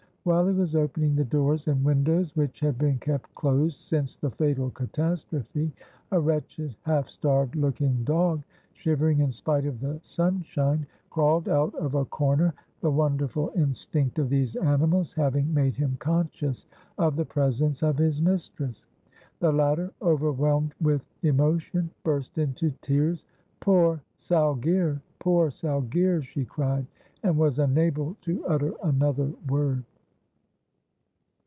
While he was opening the doors and windows, which had been kept closed since the fatal catastrophe, a wretched half starved looking dog, shivering in spite of the sunshine, crawled out of a corner, the wonderful instinct of these animals having made him conscious of the presence of his mistress. The latter, overwhelmed with emotion, burst into tears: "Poor Salghir! poor Salghir!" she cried, and was unable to utter another word.